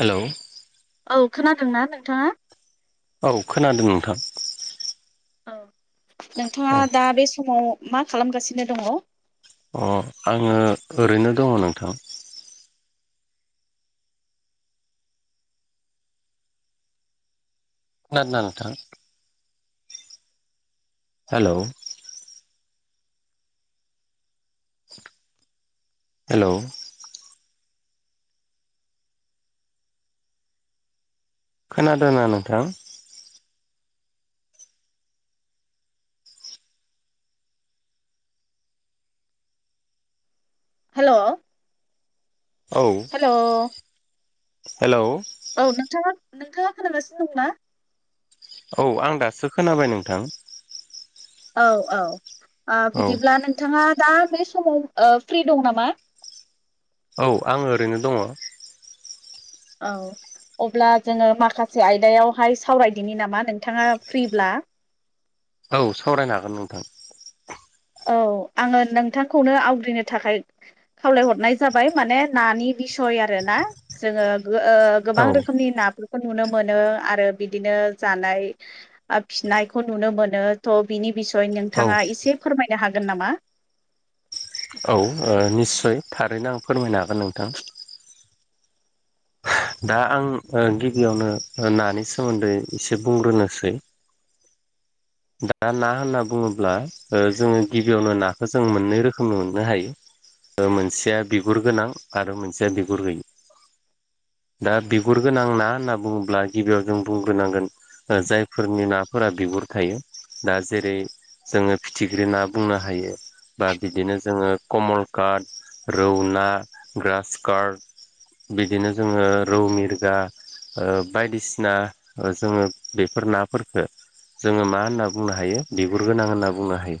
हेल' औ खोनादोंना नोंथाङा? औ खोनादों नोंथां। औ नोंथाङा औ दा बे समाव मा खालामगासिनो दङ? अ आङो ओरैनो दङ नोंथां। खोनादोंना‌ नोंथां? हेलौ हेलौ खोनादोंना नोंथां? हेल' औ हेलौ हेलौ औ नोंथांङा नोंथांङा खोनागासिनो दंना? औ आं दासो खोनाबाय नोंथां औ औ आ औ बिदिब्ला नोंथांङा दा बे समाव ओ फ्रि दं नामा? औ आंङो ओरैनो दंङ औ अब्ला जोंङो माखासे आयदायावहाय सावरायदिनि नामा नोंथांङा फ्रिब्ला औ सावरायनो हागोन नोंथां औ आंङो नोंथांखौनो आवग्रिनो थाखाय खावलायहरनाय जाबाय माने नानि बिस सय आरो ना जोंङो ओ औ गोबां रोखोमनि ना नुनो मोनो आरो बिदिनो जानाय फिनायखौ नुनो मोनो थ' बिनि बिसयनि औ नोंथांङा एसे फोरमायनो हागोन नामा औ निस्सय थारैनो आं फोरमायनो हागोन नोंथां दा आं ओ गिबियावनो नानि सोमोन्दै एसे बुंग्रोनोसै [inaudible] दा ना होनना बुंङोब्ला ओ जोंङो गिबियावनो नाखौ जों मोननै रोखोमनि मोननो हायो। ओ मोनसेया बिगुर गोनां आरो मोनसेया बिगुर गैय दा बिगुर गोनां ना होनना बुंङोब्ला गिबियाव जों बुंग्रोनांगोन जायफोरनि नाफोरा बिगुर थायो दा जेरै जोंङो फिथिख्रि ना बुंनो हायो बा बिदिनो जोंङो कमल कार्ट रौना ग्रास कार्ट बिदिनो जोंङो रौ मिरगा ओ बायदिसिना जोंङो बेफोर ना फोरखो जोंङो मा होनना बुंनो हायो बिगुर गोनां होनना बुंनो हायो।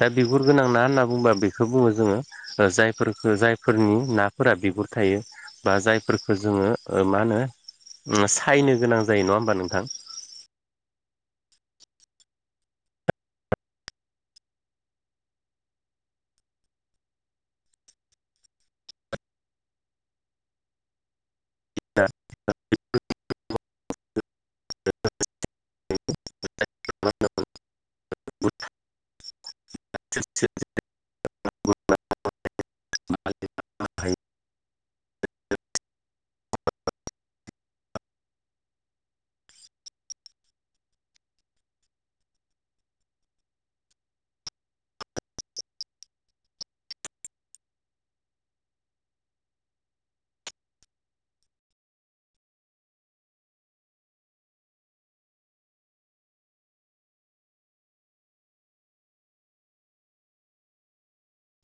दा बिगुर गोनां ना होनना बुंबा बेखौ बुंङो जोंङो ओ जायफोरखौ जायफोरनि नाफोरा बिगुर थायो बा जाय फोरखो जोंङो ओ मा होनो सायनो गोनां जायो नंङा होमबा नोंथां [inaudible] [unintelligible] [unintelligible] [unintelligible] [unintelligible]